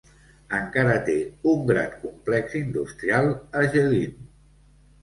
Encara té un gran complex industrial a Geleen.